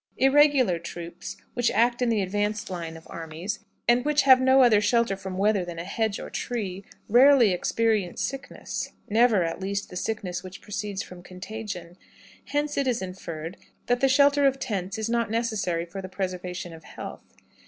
Irregular troops, which act in the advanced line of armies, and which have no other shelter from weather than a hedge or tree, rarely experience sickness never, at least, the sickness which proceeds from contagion; hence it is inferred that the shelter of tents is not necessary for the preservation of health.